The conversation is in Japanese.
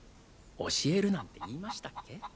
教えるなんて言いましたっけ？